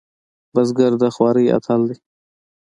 بزګر د خوارۍ اتل دی